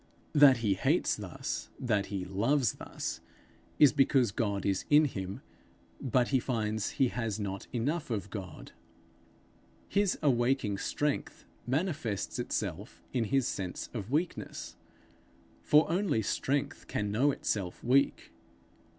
That he hates thus, that he loves thus, is because God is in him, but he finds he has not enough of God. His awaking strength manifests itself in his sense of weakness, for only strength can know itself weak.